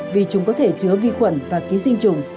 vì chúng có thể chứa vi khuẩn và ký sinh trùng